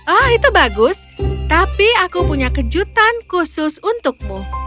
oh itu bagus tapi aku punya kejutan khusus untukmu